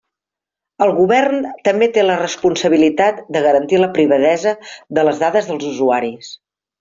El govern també té la responsabilitat de garantir la privadesa de les dades dels usuaris.